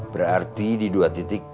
berarti di dua titik